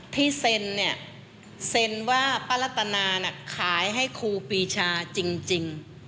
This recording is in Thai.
ที่เซ็นเนี่ยเซ็นว่าป้ารัตนาน่ะขายให้ครูปีชาจริง